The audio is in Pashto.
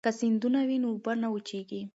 که سیندونه وي نو اوبه نه وچېږي.